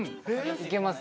いけます。